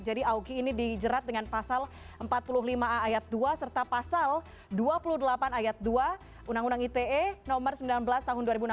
auki ini dijerat dengan pasal empat puluh lima a ayat dua serta pasal dua puluh delapan ayat dua undang undang ite nomor sembilan belas tahun dua ribu enam belas